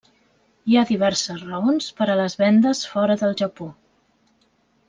Hi ha diverses raons per a les vendes fora del Japó.